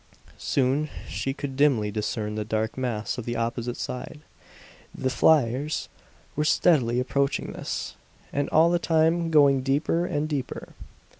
Soon she could dimly discern the dark mass of the opposite side. The fliers were steadily approaching this, and all the time going deeper and deeper.